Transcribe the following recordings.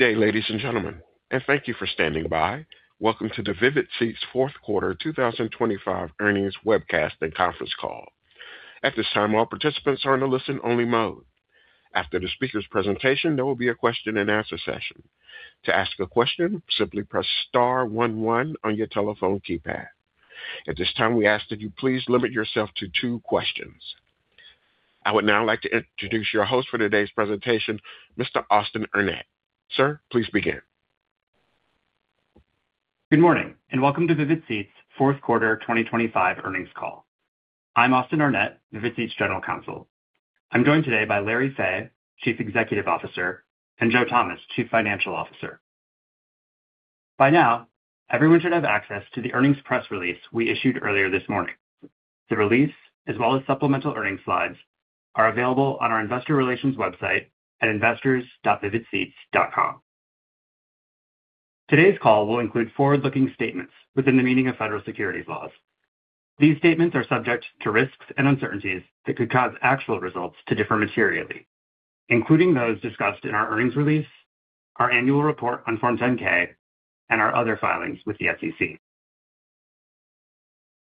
Good day, ladies and gentlemen, and thank you for standing by. Welcome to the Vivid Seats Fourth Quarter 2025 Earnings Webcast and Conference Call. At this time, all participants are in a listen-only mode. After the speaker's presentation, there will be a question-and-answer session. To ask a question, simply press star one one on your telephone keypad. At this time, we ask that you please limit yourself to two questions. I would now like to introduce your host for today's presentation, Mr. Austin Arnett. Sir, please begin. Good morning and welcome to Vivid Seats' fourth quarter 2025 earnings call. I'm Austin Arnett, Vivid Seats' General Counsel. I'm joined today by Larry Fey, Chief Executive Officer, and Joe Thomas, Chief Financial Officer. By now, everyone should have access to the earnings press release we issued earlier this morning. The release, as well as supplemental earnings slides, are available on our investor relations website at investors.vividseats.com. Today's call will include forward-looking statements within the meaning of federal securities laws. These statements are subject to risks and uncertainties that could cause actual results to differ materially, including those discussed in our earnings release, our annual report on Form 10-K and our other filings with the SEC.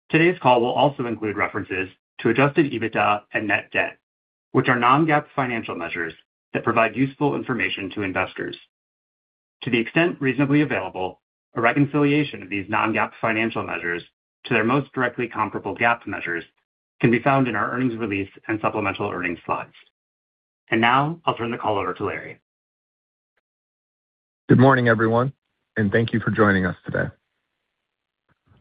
Today's call will also include references to Adjusted EBITDA and net debt, which are non-GAAP financial measures that provide useful information to investors. To the extent reasonably available, a reconciliation of these non-GAAP financial measures to their most directly comparable GAAP measures can be found in our earnings release and supplemental earnings slides. Now I'll turn the call over to Larry. Good morning, everyone, and thank you for joining us today.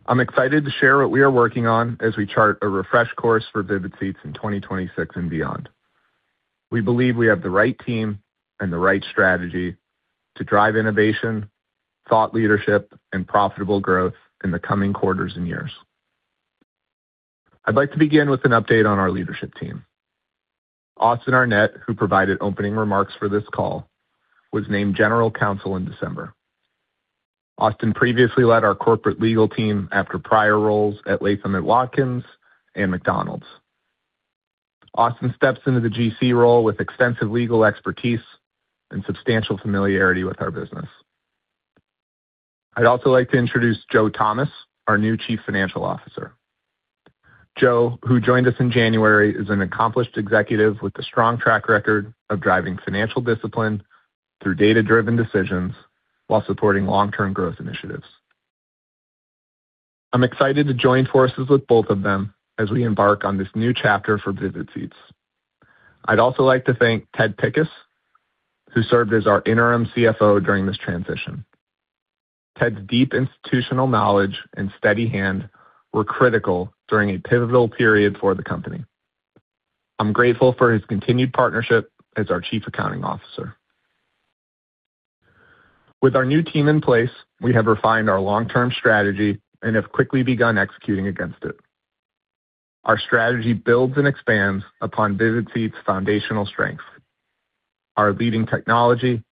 I'm excited to share what we are working on as we chart a refresh course for Vivid Seats in 2026 and beyond. We believe we have the right team and the right strategy to drive innovation, thought leadership and profitable growth in the coming quarters and years. I'd like to begin with an update on our leadership team. Austin Arnett, who provided opening remarks for this call, was named General Counsel in December. Austin previously led our corporate legal team after prior roles at Latham & Watkins and McDonald's. Austin steps into the GC role with extensive legal expertise and substantial familiarity with our business. I'd also like to introduce Joe Thomas, our new Chief Financial Officer. Joe, who joined us in January, is an accomplished executive with a strong track record of driving financial discipline through data-driven decisions while supporting long-term growth initiatives. I'm excited to join forces with both of them as we embark on this new chapter for Vivid Seats. I'd also like to thank Ted Pickus, who served as our Interim CFO during this transition. Ted's deep institutional knowledge and steady hand were critical during a pivotal period for the company. I'm grateful for his continued partnership as our Chief Accounting Officer. With our new team in place, we have refined our long-term strategy and have quickly begun executing against it. Our strategy builds and expands upon Vivid Seats' foundational strengths, our leading technology,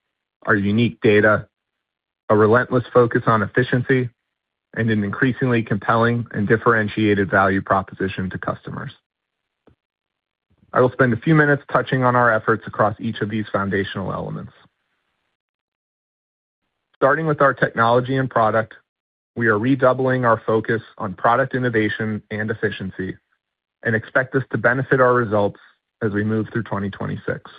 our unique data, a relentless focus on efficiency, and an increasingly compelling and differentiated value proposition to customers. I will spend a few minutes touching on our efforts across each of these foundational elements. Starting with our technology and product, we are redoubling our focus on product innovation and efficiency and expect this to benefit our results as we move through 2026.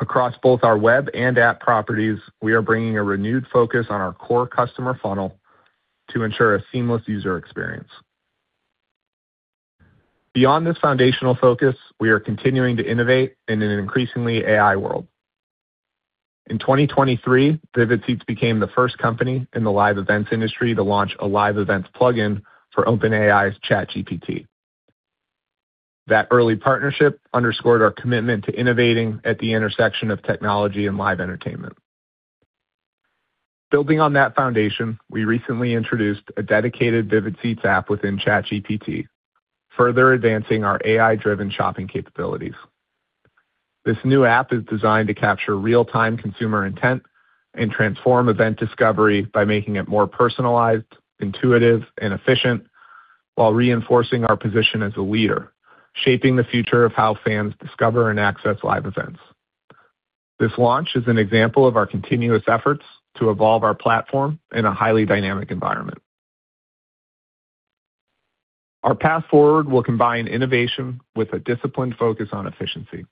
Across both our web and app properties, we are bringing a renewed focus on our core customer funnel to ensure a seamless user experience. Beyond this foundational focus, we are continuing to innovate in an increasingly AI world. In 2023, Vivid Seats became the first company in the live events industry to launch a live events plugin for OpenAI's ChatGPT. That early partnership underscored our commitment to innovating at the intersection of technology and live entertainment. Building on that foundation, we recently introduced a dedicated Vivid Seats app within ChatGPT, further advancing our AI-driven shopping capabilities. This new app is designed to capture real-time consumer intent and transform event discovery by making it more personalized, intuitive and efficient while reinforcing our position as a leader, shaping the future of how fans discover and access live events. This launch is an example of our continuous efforts to evolve our platform in a highly dynamic environment. Our path forward will combine innovation with a disciplined focus on efficiency.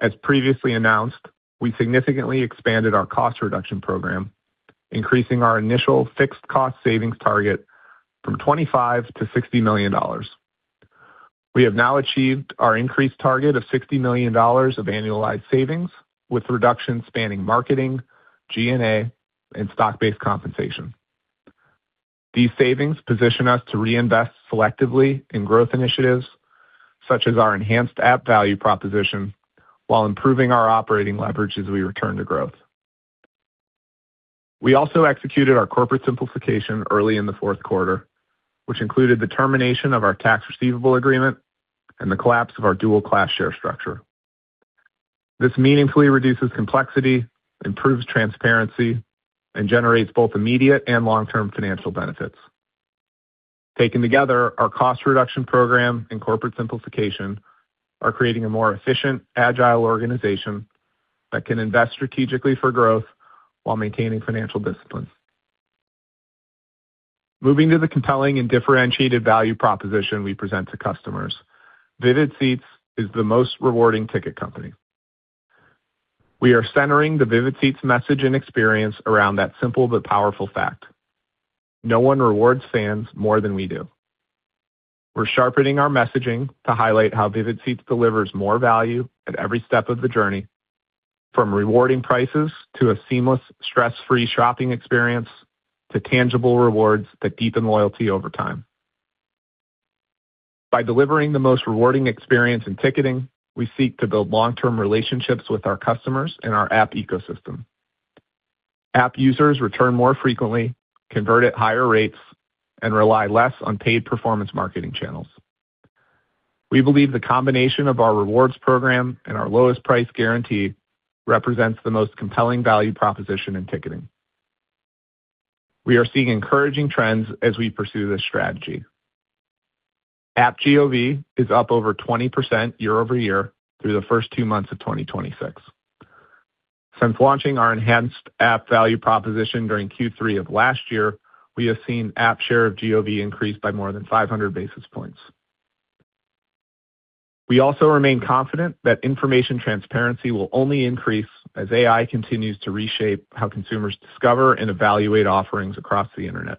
As previously announced, we significantly expanded our cost reduction program, increasing our initial fixed cost savings target from $25 million-$60 million. We have now achieved our increased target of $60 million of annualized savings with reductions spanning marketing, G&A and stock-based compensation. These savings position us to reinvest selectively in growth initiatives such as our enhanced app value proposition while improving our operating leverage as we return to growth. We also executed our corporate simplification early in the fourth quarter, which included the termination of our Tax Receivable Agreement and the collapse of our dual class share structure. This meaningfully reduces complexity, improves transparency, and generates both immediate and long-term financial benefits. Taken together, our cost reduction program and corporate simplification are creating a more efficient, agile organization that can invest strategically for growth while maintaining financial discipline. Moving to the compelling and differentiated value proposition we present to customers. Vivid Seats is the most rewarding ticket company. We are centering the Vivid Seats message and experience around that simple but powerful fact. No one rewards fans more than we do. We're sharpening our messaging to highlight how Vivid Seats delivers more value at every step of the journey, from rewarding prices to a seamless, stress-free shopping experience, to tangible rewards that deepen loyalty over time. By delivering the most rewarding experience in ticketing, we seek to build long-term relationships with our customers and our app ecosystem. App users return more frequently, convert at higher rates, and rely less on paid performance marketing channels. We believe the combination of our rewards program and our lowest price guarantee represents the most compelling value proposition in ticketing. We are seeing encouraging trends as we pursue this strategy. App GOV is up over 20% year-over-year through the first two months of 2026. Since launching our enhanced app value proposition during Q3 of last year, we have seen app share of GOV increase by more than 500 basis points. We also remain confident that information transparency will only increase as AI continues to reshape how consumers discover and evaluate offerings across the Internet.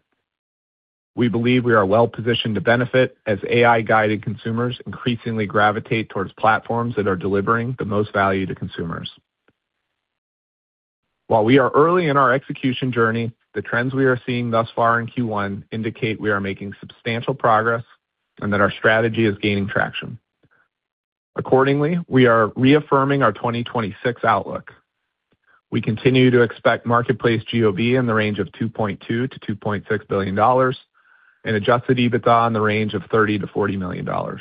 We believe we are well-positioned to benefit as AI-guided consumers increasingly gravitate towards platforms that are delivering the most value to consumers. While we are early in our execution journey, the trends we are seeing thus far in Q1 indicate we are making substantial progress and that our strategy is gaining traction. Accordingly, we are reaffirming our 2026 outlook. We continue to expect Marketplace GOV in the range of $2.2 billion-$2.6 billion and Adjusted EBITDA in the range of $30 million-$40 million.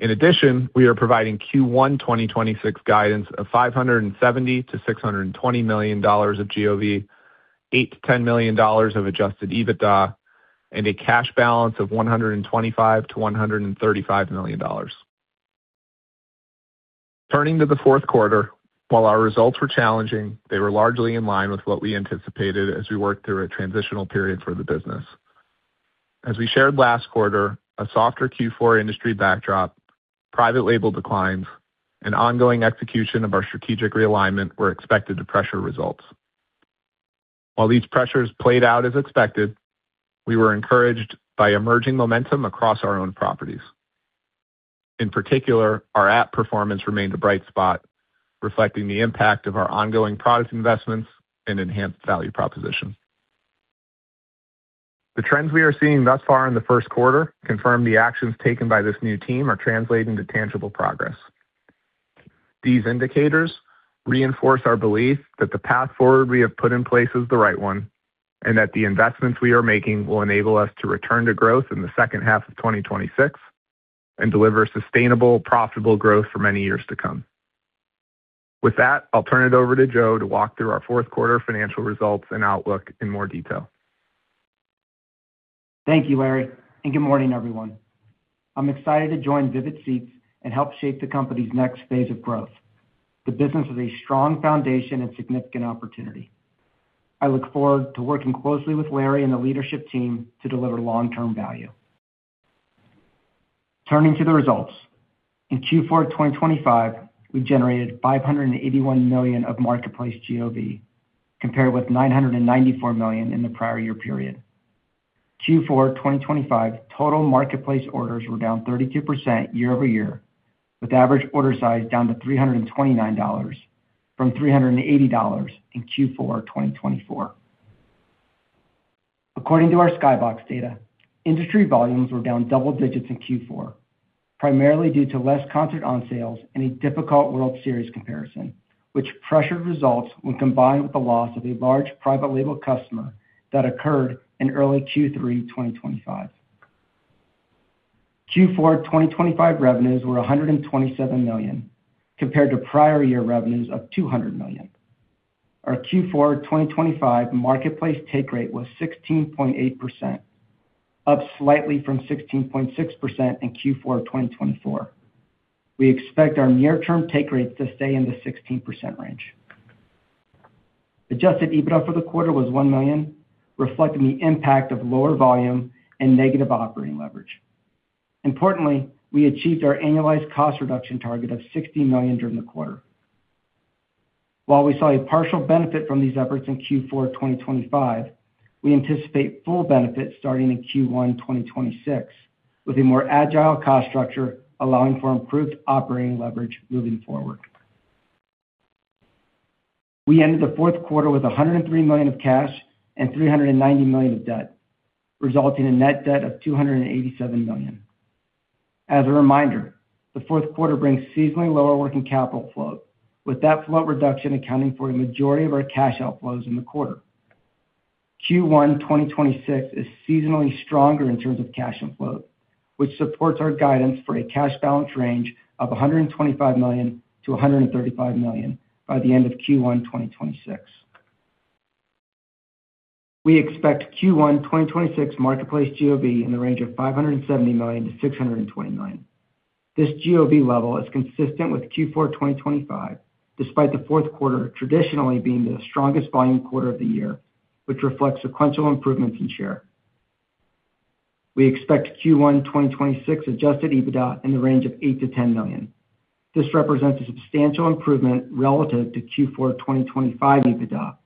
In addition, we are providing Q1 2026 guidance of $570 million-$620 million of GOV, $8 million-$10 million of Adjusted EBITDA, and a cash balance of $125 million-$135 million. Turning to the fourth quarter, while our results were challenging, they were largely in line with what we anticipated as we worked through a transitional period for the business. As we shared last quarter, a softer Q4 industry backdrop, private label declines, and ongoing execution of our strategic realignment were expected to pressure results. While these pressures played out as expected, we were encouraged by emerging momentum across our own properties. In particular, our app performance remained a bright spot, reflecting the impact of our ongoing product investments and enhanced value proposition. The trends we are seeing thus far in the first quarter confirm the actions taken by this new team are translating to tangible progress. These indicators reinforce our belief that the path forward we have put in place is the right one and that the investments we are making will enable us to return to growth in the second half of 2026 and deliver sustainable, profitable growth for many years to come. With that, I'll turn it over to Joe to walk through our fourth quarter financial results and outlook in more detail. Thank you, Larry, and good morning, everyone. I'm excited to join Vivid Seats and help shape the company's next phase of growth. The business is a strong foundation and significant opportunity. I look forward to working closely with Larry and the leadership team to deliver long-term value. Turning to the results. In Q4 of 2025, we generated $581 million of marketplace GOV, compared with $994 million in the prior year period. Q4 of 2025 total marketplace orders were down 32% year-over-year, with average order size down to $329 from $380 in Q4 of 2024. According to our Skybox data, industry volumes were down double digits in Q4, primarily due to less concert onsales and a difficult World Series comparison, which pressured results when combined with the loss of a large private label customer that occurred in early Q3 2025. Q4 2025 revenues were $127 million, compared to prior year revenues of $200 million. Our Q4 2025 marketplace take rate was 16.8%, up slightly from 16.6% in Q4 2024. We expect our near-term take rates to stay in the 16% range. Adjusted EBITDA for the quarter was $1 million, reflecting the impact of lower volume and negative operating leverage. Importantly, we achieved our annualized cost reduction target of $60 million during the quarter. While we saw a partial benefit from these efforts in Q4 of 2025, we anticipate full benefit starting in Q1 2026, with a more agile cost structure allowing for improved operating leverage moving forward. We ended the fourth quarter with $103 million of cash and $390 million of debt, resulting in net debt of $287 million. As a reminder, the fourth quarter brings seasonally lower working capital flow, with that flow reduction accounting for the majority of our cash outflows in the quarter. Q1 2026 is seasonally stronger in terms of cash flow. Which supports our guidance for a cash balance range of $125 million-$135 million by the end of Q1 2026. We expect Q1 2026 Marketplace GOV in the range of $570 million-$620 million. This GOV level is consistent with Q4 2025, despite the fourth quarter traditionally being the strongest volume quarter of the year, which reflects sequential improvements in share. We expect Q1 2026 Adjusted EBITDA in the range of $8 million-$10 million. This represents a substantial improvement relative to Q4 2025 EBITDA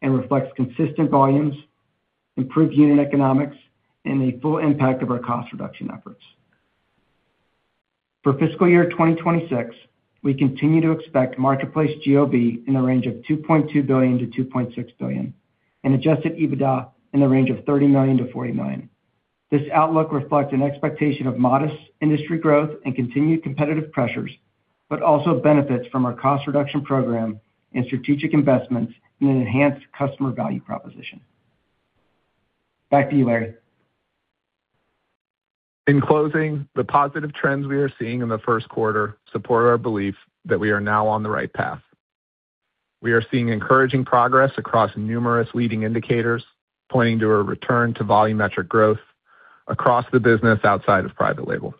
and reflects consistent volumes, improved unit economics, and the full impact of our cost reduction efforts. For fiscal year 2026, we continue to expect Marketplace GOV in the range of $2.2 billion-$2.6 billion and Adjusted EBITDA in the range of $30 million-$40 million. This outlook reflects an expectation of modest industry growth and continued competitive pressures, but also benefits from our cost reduction program and strategic investments in an enhanced customer value proposition. Back to you, Larry. In closing, the positive trends we are seeing in the first quarter support our belief that we are now on the right path. We are seeing encouraging progress across numerous leading indicators, pointing to a return to volumetric growth across the business outside of private label.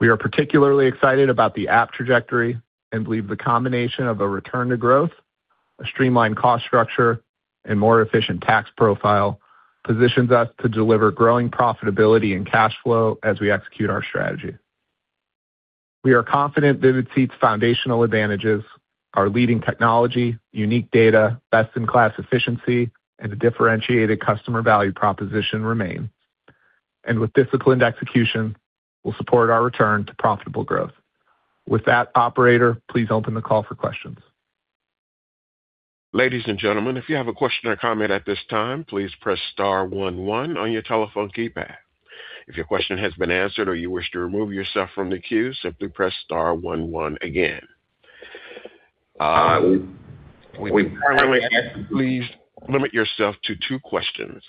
We are particularly excited about the app trajectory and believe the combination of a return to growth, a streamlined cost structure, and more efficient tax profile positions us to deliver growing profitability and cash flow as we execute our strategy. We are confident that Vivid Seats foundational advantages. Our leading technology, unique data, best-in-class efficiency, and a differentiated customer value proposition remain. With disciplined execution, we'll support our return to profitable growth. With that, operator, please open the call for questions. Ladies and gentlemen, if you have a question or comment at this time, please press star one one on your telephone keypad. If your question has been answered or you wish to remove yourself from the queue, simply press star one one again. We currently ask, please limit yourself to two questions.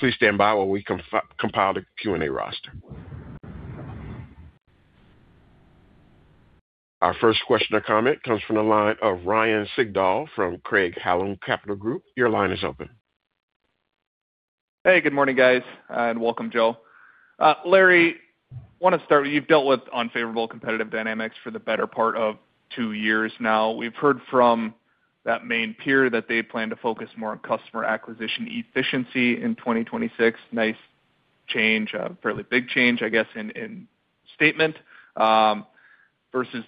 Please stand by while we compile the Q&A roster. Our first question or comment comes from the line of Ryan Sigdahl from Craig-Hallum Capital Group. Your line is open. Hey, good morning, guys, and welcome, Joe. Larry, want to start with you've dealt with unfavorable competitive dynamics for the better part of two years now. We've heard from that main peer that they plan to focus more on customer acquisition efficiency in 2026. Nice change. A fairly big change, I guess, in statement versus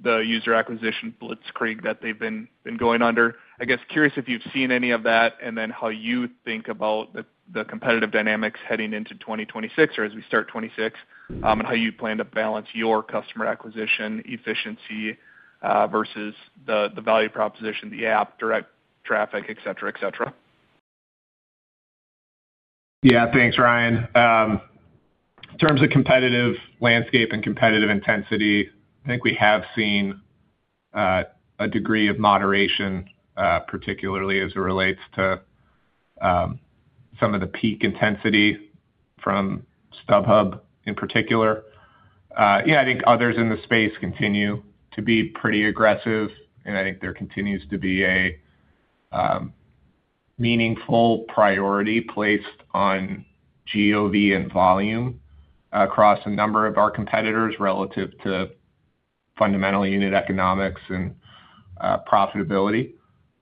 the user acquisition blitzkrieg that they've been going under. I guess, curious if you've seen any of that, and then how you think about the competitive dynamics heading into 2026 or as we start 2026, and how you plan to balance your customer acquisition efficiency versus the value proposition, the app, direct traffic, et cetera, et cetera? Yeah. Thanks, Ryan. In terms of competitive landscape and competitive intensity, I think we have seen a degree of moderation, particularly as it relates to some of the peak intensity from StubHub in particular. Yeah, I think others in the space continue to be pretty aggressive, and I think there continues to be a meaningful priority placed on GOV and volume across a number of our competitors relative to fundamental unit economics and profitability.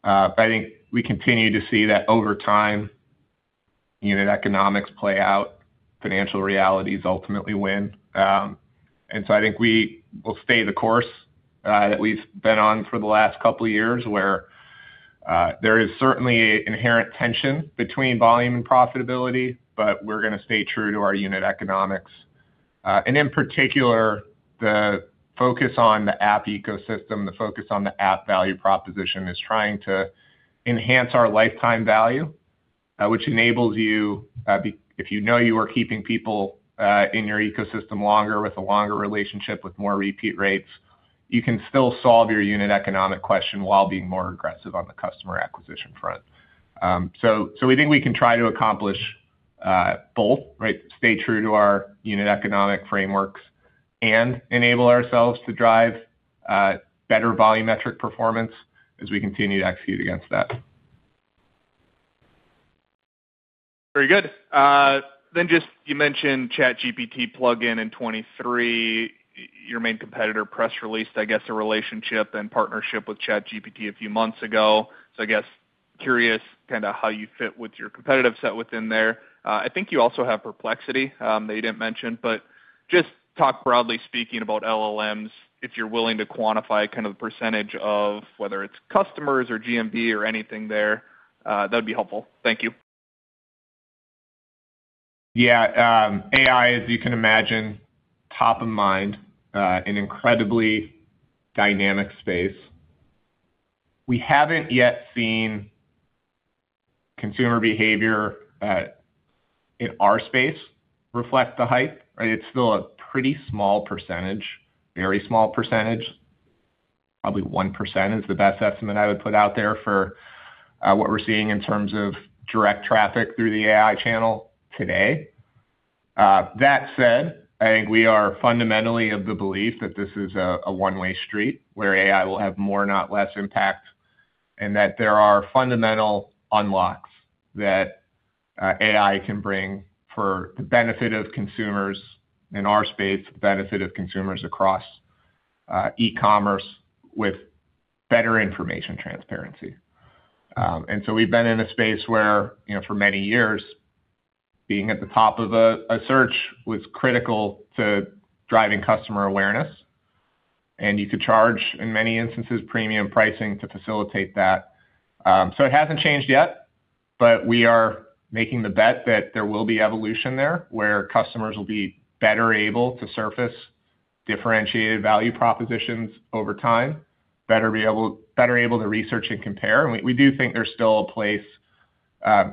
But I think we continue to see that over time, unit economics play out, financial realities ultimately win. And so I think we will stay the course that we've been on for the last couple of years, where there is certainly inherent tension between volume and profitability, but we're gonna stay true to our unit economics. In particular, the focus on the app ecosystem, the focus on the app value proposition is trying to enhance our lifetime value, which enables you, if you know you are keeping people in your ecosystem longer with a longer relationship with more repeat rates, you can still solve your unit economic question while being more aggressive on the customer acquisition front. We think we can try to accomplish both, right? Stay true to our unit economic frameworks and enable ourselves to drive better volumetric performance as we continue to execute against that. Very good. Just you mentioned ChatGPT plugin in 2023. Your main competitor press released, I guess, a relationship and partnership with ChatGPT a few months ago. I guess curious kinda how you fit with your competitive set within there. I think you also have Perplexity that you didn't mention, but just talk broadly speaking about LLMs, if you're willing to quantify kind of the percentage of whether it's customers or GMV or anything there, that'd be helpful. Thank you. Yeah. AI, as you can imagine, top of mind, an incredibly dynamic space. We haven't yet seen consumer behavior in our space reflect the hype. It's still a pretty small percentage, very small percentage. Probably 1% is the best estimate I would put out there for what we're seeing in terms of direct traffic through the AI channel today. That said, I think we are fundamentally of the belief that this is a one-way street where AI will have more, not less impact, and that there are fundamental unlocks that AI can bring for the benefit of consumers in our space, the benefit of consumers across e-commerce with better information transparency. We've been in a space where, you know, for many years, being at the top of a search was critical to driving customer awareness, and you could charge, in many instances, premium pricing to facilitate that. It hasn't changed yet, but we are making the bet that there will be evolution there, where customers will be better able to surface differentiated value propositions over time, better able to research and compare. We do think there's still a place,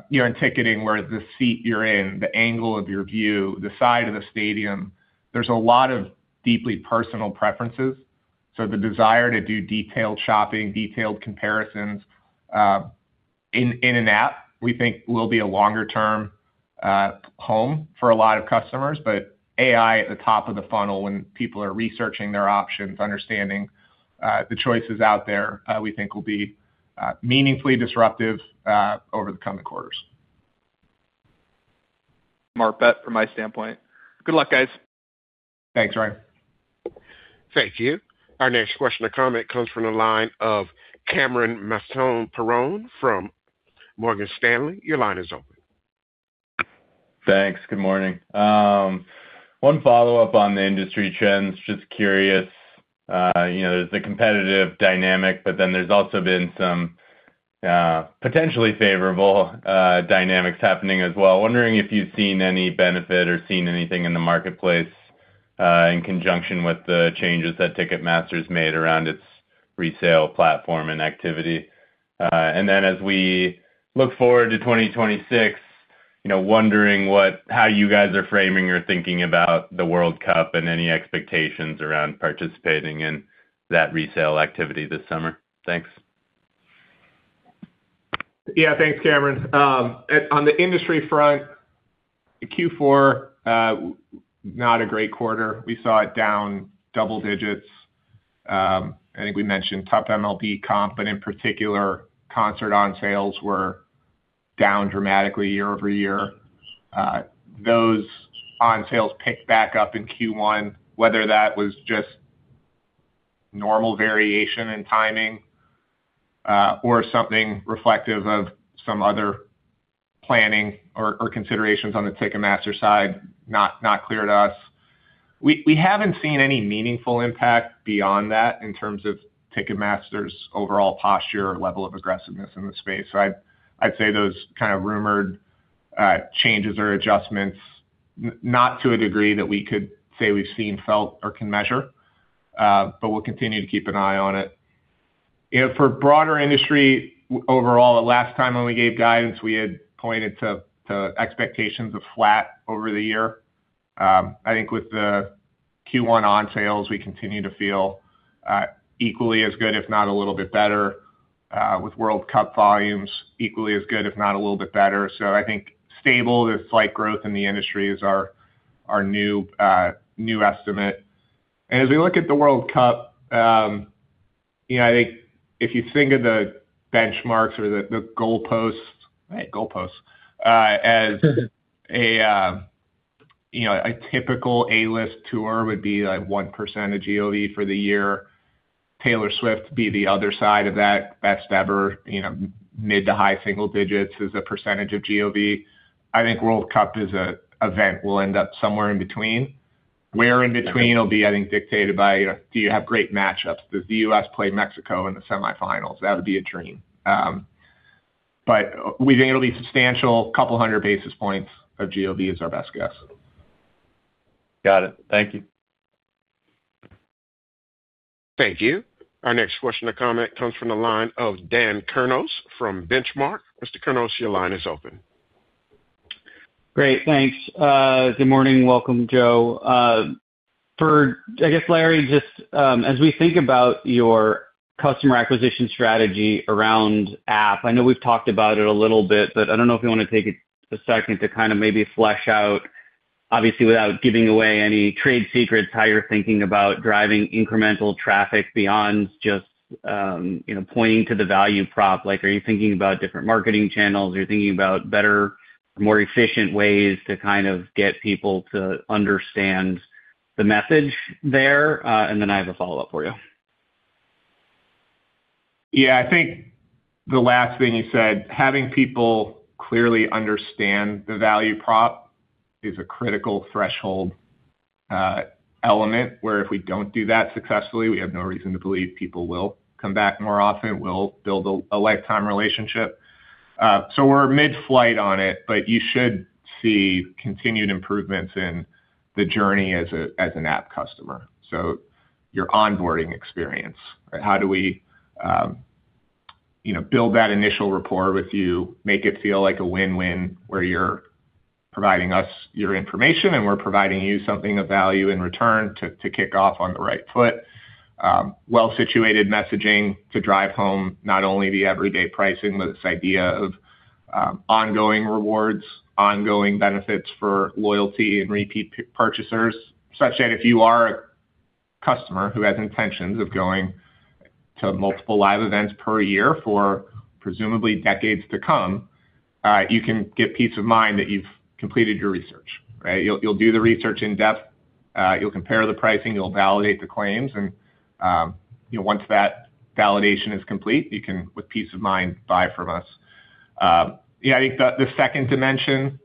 you know, in ticketing where the seat you're in, the angle of your view, the side of the stadium, there's a lot of deeply personal preferences. The desire to do detailed shopping, detailed comparisons, in an app, we think will be a longer term home for a lot of customers. AI at the top of the funnel when people are researching their options, understanding the choices out there, we think will be meaningfully disruptive over the coming quarters. Mark Bet from my standpoint. Good luck, guys. Thanks, Ryan. Thank you. Our next question or comment comes from the line of Cameron Mansson-Perrone from Morgan Stanley. Your line is open. Thanks. Good morning. One follow-up on the industry trends. Just curious, you know, there's the competitive dynamic, but then there's also been some potentially favorable dynamics happening as well. Wondering if you've seen any benefit or seen anything in the marketplace in conjunction with the changes that Ticketmaster's made around its resale platform and activity. As we look forward to 2026, you know, wondering how you guys are framing or thinking about the World Cup and any expectations around participating in that resale activity this summer? Thanks. Yeah. Thanks, Cameron. On the industry front, Q4, not a great quarter. We saw it down double digits. I think we mentioned tough MLB comp, but in particular, concert onsales were down dramatically year-over-year. Those onsales picked back up in Q1, whether that was just normal variation and timing, or something reflective of some other planning or considerations on the Ticketmaster side, not clear to us. We haven't seen any meaningful impact beyond that in terms of Ticketmaster's overall posture or level of aggressiveness in the space. I'd say those kind of rumored changes or adjustments not to a degree that we could say we've seen, felt, or can measure, but we'll continue to keep an eye on it. You know, for broader industry overall, the last time when we gave guidance, we had pointed to expectations of flat over the year. I think with the Q1 on sales, we continue to feel equally as good, if not a little bit better, with World Cup volumes equally as good, if not a little bit better. I think stable to slight growth in the industry is our new estimate. As we look at the World Cup, you know, I think if you think of the benchmarks or the goalposts, a typical A-list tour would be like 1% GOV for the year. Taylor Swift be the other side of that, best ever, you know, mid-to high-single digits as a percentage of GOV. I think World Cup as an event will end up somewhere in between. Where in between will be, I think, dictated by, you know, do you have great matchups? Does the U.S. play Mexico in the semifinals? That would be a dream. We think it'll be substantial. A couple hundred basis points of GOV is our best guess. Got it. Thank you. Thank you. Our next question or comment comes from the line of Dan Kurnos from Benchmark. Mr. Kurnos, your line is open. Great. Thanks. Good morning. Welcome, Joe. I guess, Larry, just, as we think about your customer acquisition strategy around app, I know we've talked about it a little bit, but I don't know if you want to take a second to kind of maybe flesh out, obviously, without giving away any trade secrets, how you're thinking about driving incremental traffic beyond just, you know, pointing to the value prop. Like, are you thinking about different marketing channels? Are you thinking about better, more efficient ways to kind of get people to understand the message there? I have a follow-up for you. Yeah. I think the last thing you said, having people clearly understand the value prop is a critical threshold element, where if we don't do that successfully, we have no reason to believe people will come back more often. We'll build a lifetime relationship. We're mid-flight on it, but you should see continued improvements in the journey as an app customer. Your onboarding experience. How do we, you know, build that initial rapport with you, make it feel like a win-win, where you're providing us your information and we're providing you something of value in return to kick off on the right foot. Well-situated messaging to drive home not only the everyday pricing, but this idea of ongoing rewards, ongoing benefits for loyalty and repeat purchasers, such that if you are a customer who has intentions of going to multiple live events per year for presumably decades to come, you can get peace of mind that you've completed your research, right? You'll do the research in-depth, you'll compare the pricing, you'll validate the claims, and you know, once that validation is complete, you can, with peace of mind, buy from us. Yeah, I think the second dimension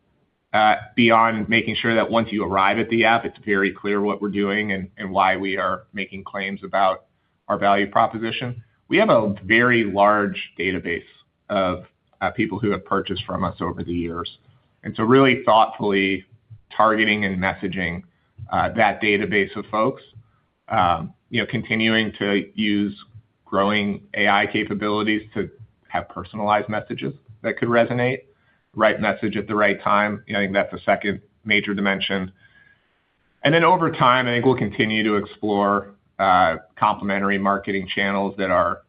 beyond making sure that once you arrive at the app, it's very clear what we're doing and why we are making claims about our value proposition. We have a very large database of people who have purchased from us over the years. Really thoughtfully targeting and messaging that database of folks, you know, continuing to use growing AI capabilities to have personalized messages that could resonate, right message at the right time. You know, I think that's the second major dimension. Over time, I think we'll continue to explore complementary marketing channels that are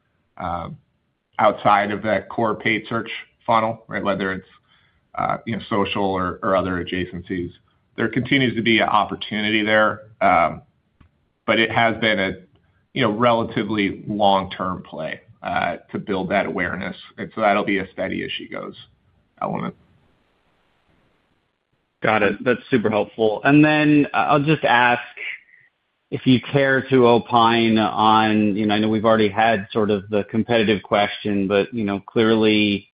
outside of that core paid search funnel, right? Whether it's, you know, social or other adjacencies. There continues to be an opportunity there, but it has been a, you know, relatively long-term play to build that awareness. That'll be a steady-as-she-goes element. Got it. That's super helpful. I'll just ask if you care to opine on, you know, I know we've already had sort of the competitive question, but, you know, clearly,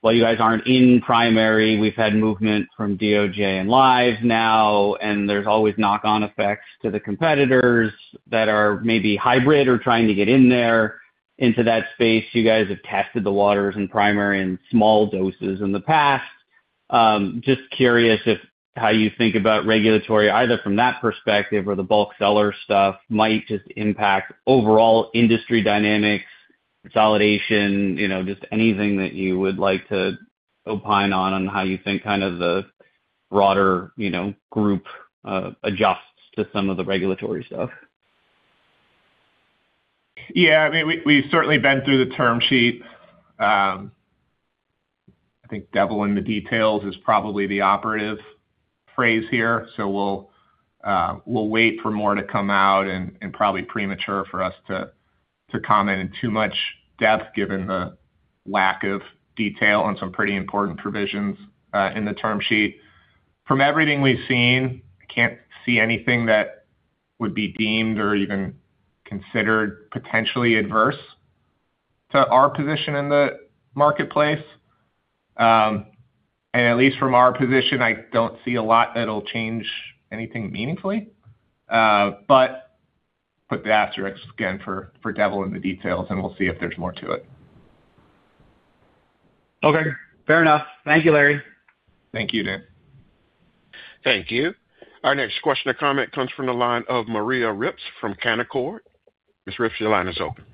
while you guys aren't in primary, we've had movement from DOJ and Live now, and there's always knock-on effects to the competitors that are maybe hybrid or trying to get in there into that space. You guys have tested the waters in primary in small doses in the past. Just curious how you think about regulatory, either from that perspective or the bulk seller stuff, might just impact overall industry dynamics, consolidation, you know, just anything that you would like to opine on how you think kind of the broader, you know, group adjusts to some of the regulatory stuff. Yeah, I mean, we've certainly been through the term sheet. I think devil in the details is probably the operative phrase here, so we'll wait for more to come out, and probably premature for us to comment in too much depth given the lack of detail on some pretty important provisions in the term sheet. From everything we've seen, I can't see anything that would be deemed or even considered potentially adverse to our position in the marketplace. At least from our position, I don't see a lot that'll change anything meaningfully. Put the asterisks again for devil in the details, and we'll see if there's more to it. Okay, fair enough. Thank you, Larry. Thank you, Dan. Thank you. Our next question or comment comes from the line of Maria Ripps from Canaccord. Ms. Ripps, your line is open.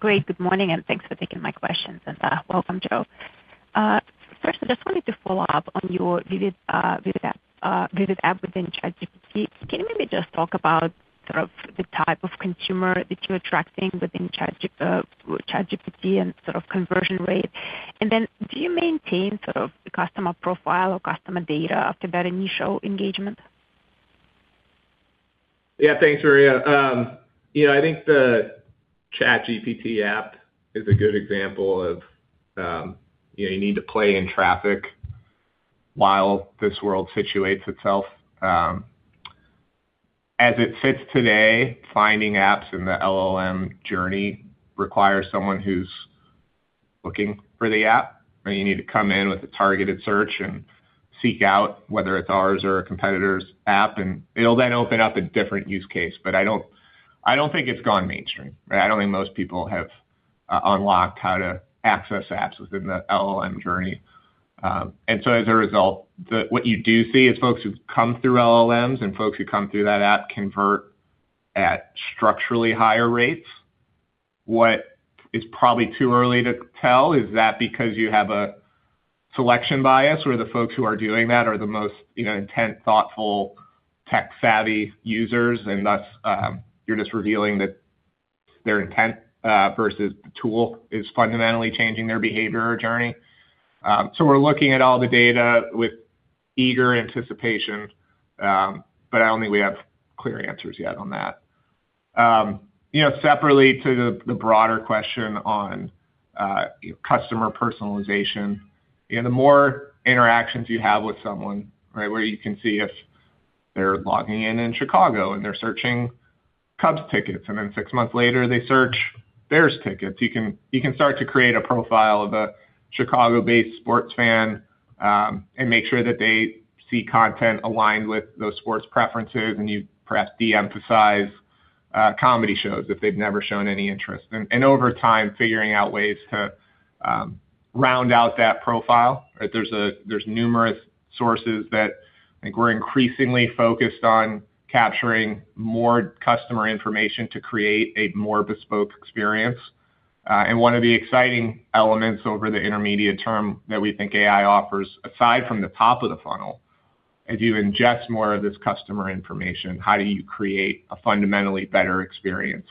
Great. Good morning, and thanks for taking my questions. Welcome, Joe. First, I just wanted to follow up on your Vivid App within ChatGPT. Can you maybe just talk about sort of the type of consumer that you're attracting within ChatGPT and sort of conversion rate? And then do you maintain sort of the customer profile or customer data after that initial engagement? Yeah. Thanks, Maria. You know, I think the ChatGPT app is a good example of, you know, you need to play in traffic while this world situates itself. As it sits today, finding apps in the LLM journey requires someone who's looking for the app, right? You need to come in with a targeted search and seek out whether it's ours or a competitor's app, and it'll then open up a different use case. But I don't think it's gone mainstream, right? I don't think most people have unlocked how to access apps within the LLM journey. As a result, what you do see is folks who've come through LLMs and folks who come through that app convert at structurally higher rates. What is probably too early to tell is that because you have a selection bias where the folks who are doing that are the most, you know, intent, thoughtful, tech-savvy users, and thus, you're just revealing that their intent, versus the tool is fundamentally changing their behavior or journey. We're looking at all the data with eager anticipation, but I don't think we have clear answers yet on that. You know, separately to the broader question on your customer personalization. You know, the more interactions you have with someone, right, where you can see if they're logging in in Chicago and they're searching Cubs tickets, and then six months later they search Bears tickets, you can start to create a profile of a Chicago-based sports fan, and make sure that they see content aligned with those sports preferences, and you perhaps de-emphasize comedy shows if they've never shown any interest. Over time, figuring out ways to round out that profile. There's numerous sources that I think we're increasingly focused on capturing more customer information to create a more bespoke experience. One of the exciting elements over the intermediate term that we think AI offers, aside from the top of the funnel, as you ingest more of this customer information, how do you create a fundamentally better experience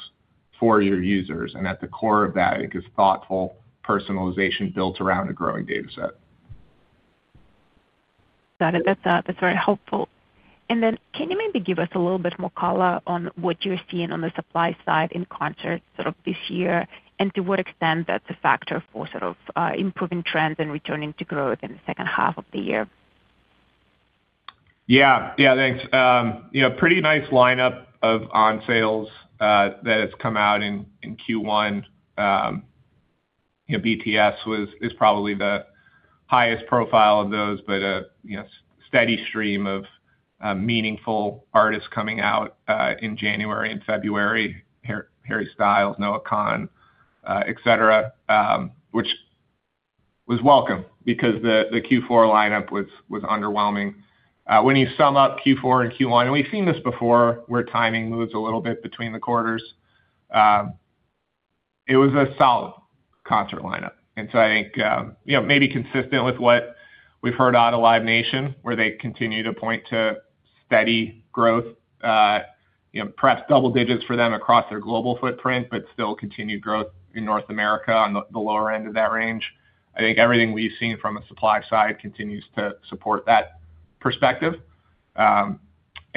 for your users? At the core of that is thoughtful personalization built around a growing dataset. Got it. That's, that's very helpful. Can you maybe give us a little bit more color on what you're seeing on the supply side in concert sort of this year, and to what extent that's a factor for sort of improving trends and returning to growth in the second half of the year? Yeah. Thanks. You know, pretty nice lineup of onsales that has come out in Q1. You know, BTS is probably the highest profile of those, but you know, steady stream of meaningful artists coming out in January and February, Harry Styles, Noah Kahan, et cetera, which was welcome because the Q4 lineup was underwhelming. When you sum up Q4 and Q1, and we've seen this before, where timing moves a little bit between the quarters. It was a solid concert lineup. I think you know, maybe consistent with what we've heard out of Live Nation, where they continue to point to steady growth, you know, perhaps double digits for them across their global footprint, but still continued growth in North America on the lower end of that range. I think everything we've seen from a supply side continues to support that perspective. You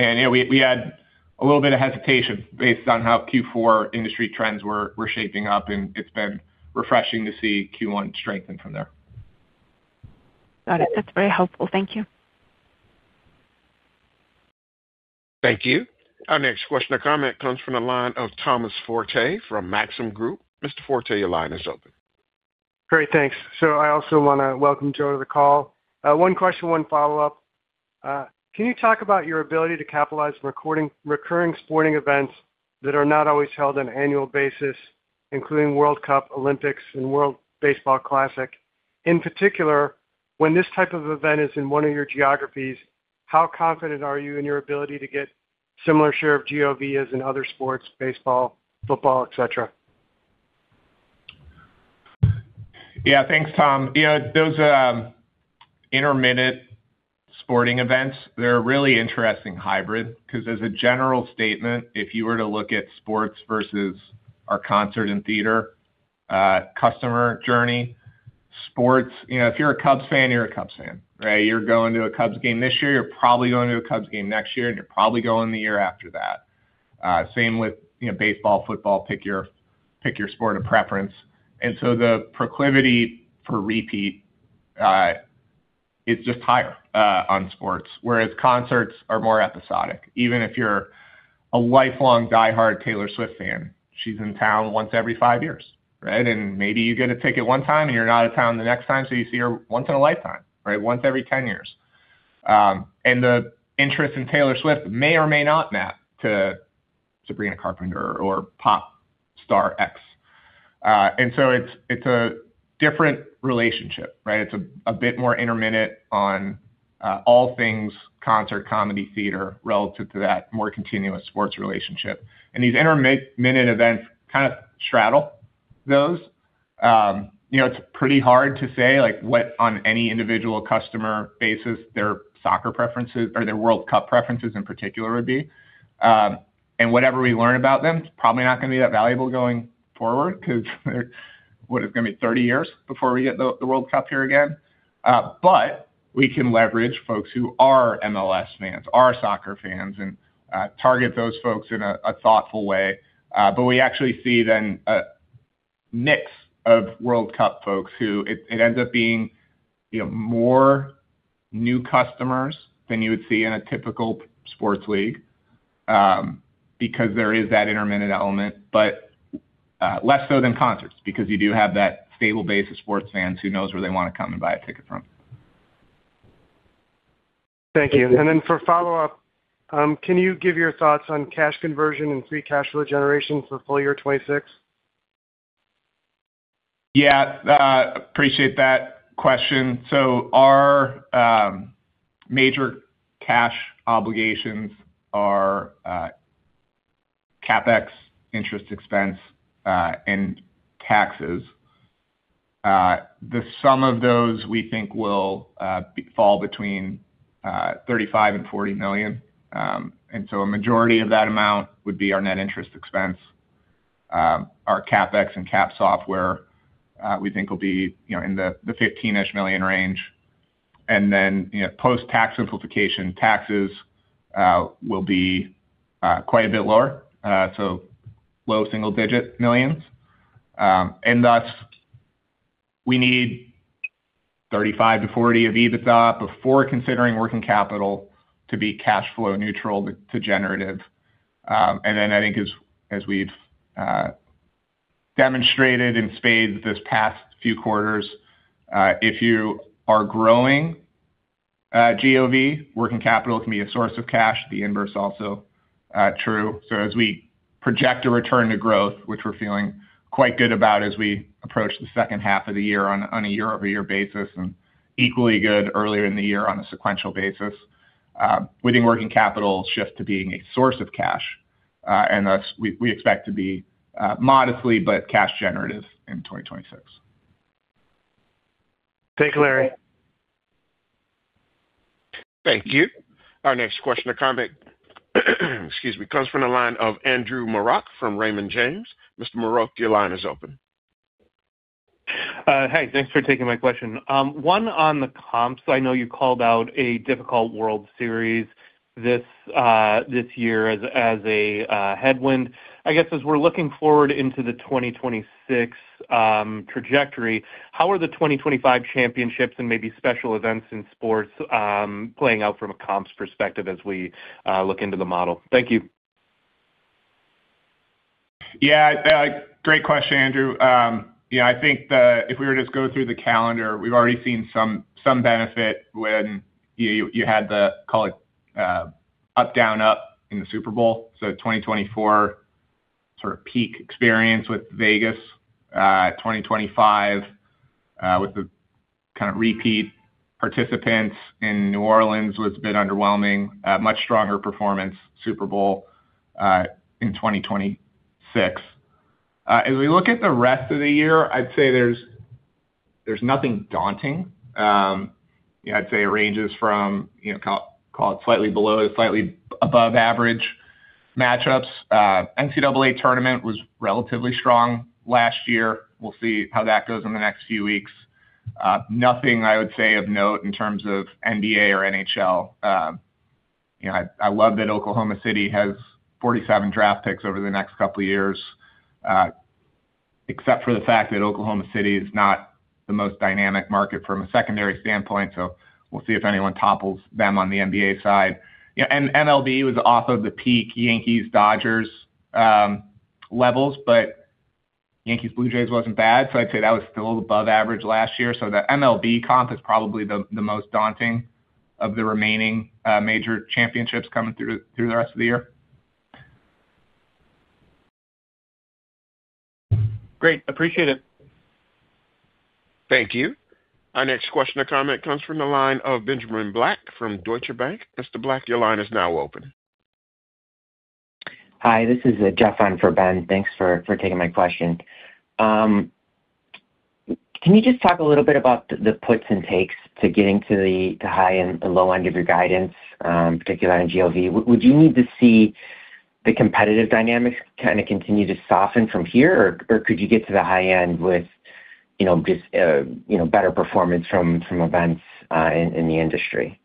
know, we had a little bit of hesitation based on how Q4 industry trends were shaping up, and it's been refreshing to see Q1 strengthen from there. Got it. That's very helpful. Thank you. Thank you. Our next question or comment comes from the line of Thomas Forte from Maxim Group. Mr. Forte, your line is open. Great. Thanks. I also wanna welcome Joe to the call. One question, one follow-up. Can you talk about your ability to capitalize recurring sporting events that are not always held on an annual basis, including World Cup, Olympics, and World Baseball Classic? In particular, when this type of event is in one of your geographies, how confident are you in your ability to get similar share of GOV as in other sports, baseball, football, et cetera? Yeah. Thanks, Tom. You know, those intermittent sporting events, they're a really interesting hybrid because as a general statement, if you were to look at sports versus our concert and theater customer journey, sports. You know, if you're a Cubs fan, you're a Cubs fan, right? You're going to a Cubs game this year, you're probably going to a Cubs game next year, and you're probably going the year after that. Same with, you know, baseball, football, pick your sport of preference. And so the proclivity for repeat is just higher on sports, whereas concerts are more episodic. Even if you're a lifelong diehard Taylor Swift fan, she's in town once every five years, right? And maybe you get a ticket one time, and you're not in town the next time, so you see her once in a lifetime, right? Once every 10 years. The interest in Taylor Swift may or may not map to Sabrina Carpenter or pop star X. It's a different relationship, right? It's a bit more intermittent on all things concert, comedy, theater, relative to that more continuous sports relationship. These intermittent events kind of straddle those. You know, it's pretty hard to say, like, what on any individual customer basis, their soccer preferences or their World Cup preferences in particular would be. Whatever we learn about them, it's probably not gonna be that valuable going forward 'cause it's gonna be 30 years before we get the World Cup here again. We can leverage folks who are MLS fans, are soccer fans, and target those folks in a thoughtful way. We actually see then a mix of World Cup folks who it ends up being, you know, more new customers than you would see in a typical sports league, because there is that intermittent element, but less so than concerts, because you do have that stable base of sports fans who knows where they wanna come and buy a ticket from. Thank you. For follow-up, can you give your thoughts on cash conversion and free cash flow generation for full year 2026? Yeah. Appreciate that question. Our major cash obligations are CapEx, interest expense, and taxes. The sum of those, we think will fall between $35 million and $40 million. A majority of that amount would be our net interest expense. Our CapEx and capitalized software, we think will be, you know, in the $15-ish million range. Then, you know, post-tax simplification, taxes will be quite a bit lower, so low single-digit millions. Thus, we need 35 to 40 of EBITDA before considering working capital to be cash flow neutral to generative. Then I think as we've demonstrated in spades this past few quarters, if you are growing GOV, working capital can be a source of cash, the inverse also true. As we project a return to growth, which we're feeling quite good about as we approach the second half of the year on a year-over-year basis and equally good earlier in the year on a sequential basis, we think working capital shift to being a source of cash, and thus we expect to be modestly but cash generative in 2026. Thanks, Larry. Thank you. Our next question or comment, excuse me, comes from the line of Andrew Marok from Raymond James. Mr. Marok, your line is open. Hey, thanks for taking my question. One on the comps. I know you called out a difficult World Series this year as a headwind. I guess, as we're looking forward into the 2026 trajectory, how are the 2025 championships and maybe special events in sports playing out from a comps perspective as we look into the model? Thank you. Yeah, great question, Andrew. Yeah, I think if we were to just go through the calendar, we've already seen some benefit when you had the, call it, up, down, up in the Super Bowl. 2024 sort of peak experience with Vegas. 2025 with the kind of repeat participants in New Orleans was a bit underwhelming. Much stronger performance, Super Bowl, in 2026. As we look at the rest of the year, I'd say there's nothing daunting. You know, I'd say it ranges from, you know, call it slightly below to slightly above average matchups. NCAA tournament was relatively strong last year. We'll see how that goes in the next few weeks. Nothing I would say of note in terms of NBA or NHL. You know, I love that Oklahoma City has 47 draft picks over the next couple of years, except for the fact that Oklahoma City is not the most dynamic market from a secondary standpoint. We'll see if anyone topples them on the NBA side. You know, MLB was off of the peak Yankees Dodgers levels, but Yankees Blue Jays wasn't bad. I'd say that was still above average last year. The MLB comp is probably the most daunting of the remaining major championships coming through the rest of the year. Great. Appreciate it. Thank you. Our next question or comment comes from the line of Benjamin Black from Deutsche Bank. Mr. Black, your line is now open. Hi, this is Jeff on for Ben. Thanks for taking my question. Can you just talk a little bit about the puts and takes to getting to the high end, the low end of your guidance, particularly on GOV? Would you need to see the competitive dynamics kinda continue to soften from here? Or could you get to the high end with, you know, just, you know, better performance from events in the industry?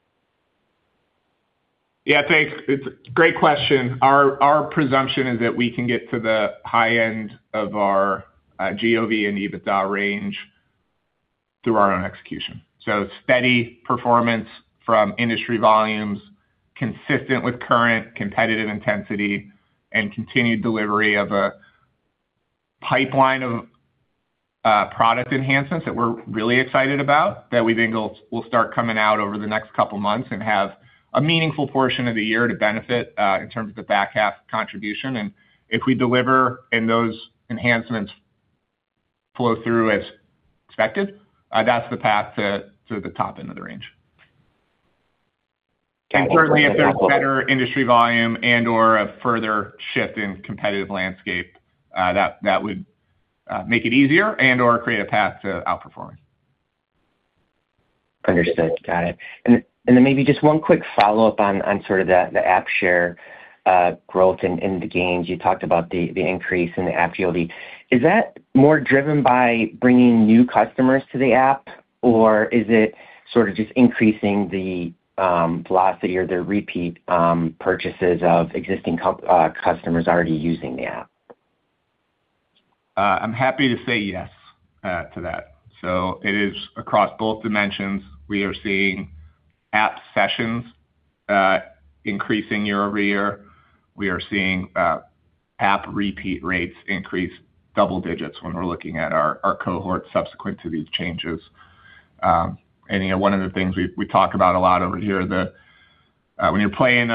Yeah, thanks. It's a great question. Our presumption is that we can get to the high end of our GOV and EBITDA range through our own execution. Steady performance from industry volumes consistent with current competitive intensity and continued delivery of a pipeline of product enhancements that we're really excited about that we think will start coming out over the next couple of months and have a meaningful portion of the year to benefit in terms of the back half contribution. If we deliver and those enhancements flow through as expected, that's the path to the top end of the range. Can we- Certainly, if there's better industry volume and/or a further shift in competitive landscape, that would make it easier and/or create a path to outperforming. Understood. Got it. Maybe just one quick follow-up on sort of the app share growth and the gains. You talked about the increase in the app yield. Is that more driven by bringing new customers to the app, or is it sort of just increasing the velocity or the repeat purchases of existing customers already using the app? I'm happy to say yes to that. It is across both dimensions. We are seeing app sessions increasing year-over-year. We are seeing app repeat rates increase double digits when we're looking at our cohort subsequent to these changes. You know, one of the things we talk about a lot over here is that when you're playing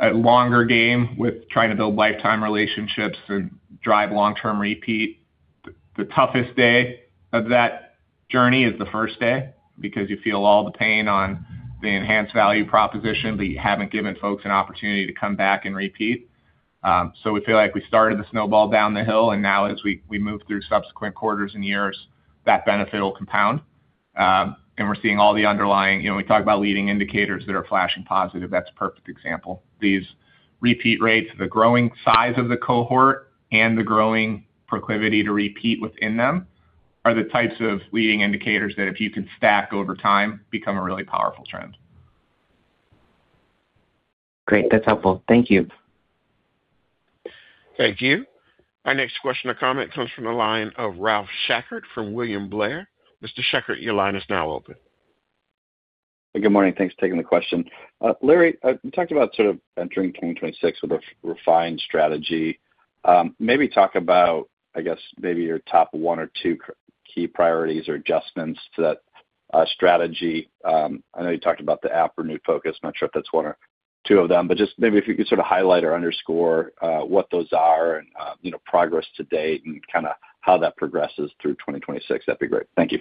a longer game with trying to build lifetime relationships and drive long-term repeat, the toughest day of that journey is the first day because you feel all the pain on the enhanced value proposition, but you haven't given folks an opportunity to come back and repeat. We feel like we started the snowball down the hill, and now as we move through subsequent quarters and years, that benefit will compound. We're seeing all the underlying. You know, we talk about leading indicators that are flashing positive. That's a perfect example. These repeat rates, the growing size of the cohort and the growing proclivity to repeat within them are the types of leading indicators that if you can stack over time, become a really powerful trend. Great. That's helpful. Thank you. Thank you. Our next question or comment comes from the line of Ralph Schackart from William Blair. Mr. Schackart, your line is now open. Good morning. Thanks for taking the question. Larry, you talked about sort of entering 2026 with a refined strategy. Maybe talk about, I guess, maybe your top one or two key priorities or adjustments to that strategy. I know you talked about the app renewed focus. I'm not sure if that's one or two of them, but just maybe if you could sort of highlight or underscore what those are and, you know, progress to date and kinda how that progresses through 2026. That'd be great. Thank you.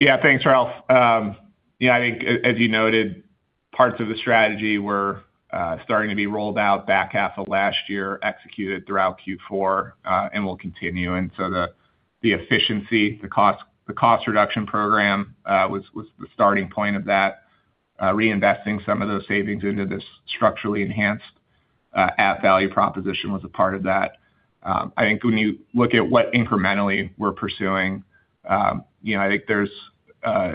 Yeah. Thanks, Ralph. Yeah, I think as you noted, parts of the strategy were starting to be rolled out back half of last year, executed throughout Q4, and will continue. The efficiency, the cost reduction program was the starting point of that. Reinvesting some of those savings into this structurally enhanced app value proposition was a part of that. I think when you look at what incrementally we're pursuing, you know, I think there's a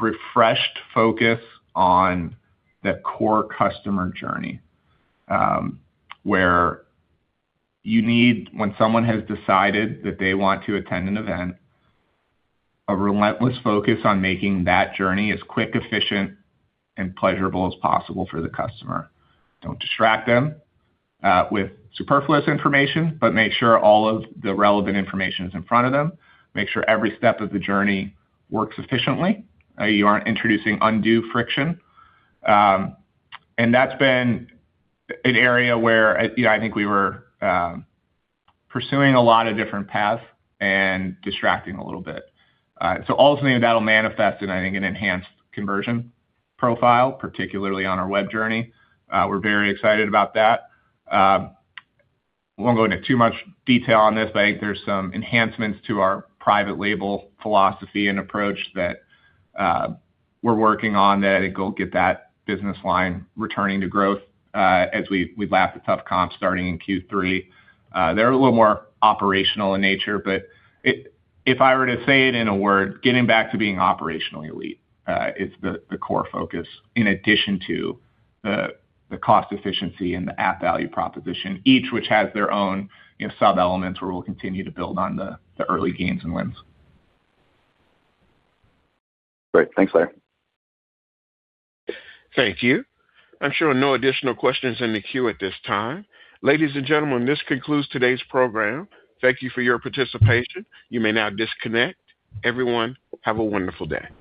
refreshed focus on that core customer journey, where when someone has decided that they want to attend an event, a relentless focus on making that journey as quick, efficient, and pleasurable as possible for the customer. Don't distract them with superfluous information, but make sure all of the relevant information is in front of them. Make sure every step of the journey works efficiently, you aren't introducing undue friction. That's been an area where, you know, I think we were pursuing a lot of different paths and distracting a little bit. Ultimately that'll manifest in, I think, an enhanced conversion profile, particularly on our web journey. We're very excited about that. I won't go into too much detail on this, but I think there's some enhancements to our private label philosophy and approach that we're working on that I think will get that business line returning to growth, as we lap the tough comps starting in Q3. They're a little more operational in nature, but if I were to say it in a word, getting back to being operationally elite is the core focus in addition to the cost efficiency and the app value proposition, each which has their own, you know, sub-elements where we'll continue to build on the early gains and wins. Great. Thanks, Larry. Thank you. I'm showing no additional questions in the queue at this time. Ladies and gentlemen, this concludes today's program. Thank you for your participation. You may now disconnect. Everyone, have a wonderful day.